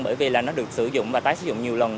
bởi vì là nó được sử dụng và tái sử dụng nhiều lần